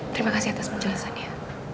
terima kasih atas penjelasannya